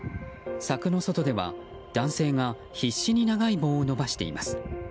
柵の外では男性が必死に長い棒を伸ばしています。